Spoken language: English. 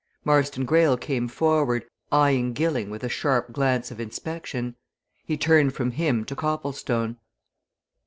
Marston Greyle came forward, eyeing Gilling with a sharp glance of inspection. He turned from him to Copplestone.